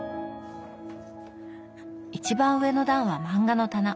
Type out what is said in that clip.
一番上の段は漫画の棚。